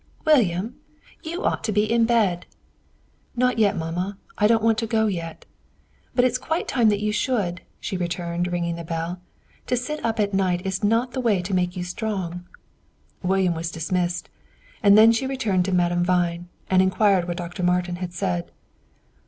William, you ought to be to bed!" "Not yet, mamma. I don't want to go yet." "But it is quite time that you should," she returned, ringing the bell. "To sit up at night is not the way to make you strong." William was dismissed. And then she returned to Madame Vine, and inquired what Dr. Martin had said.